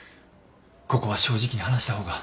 ここは正直に話した方が。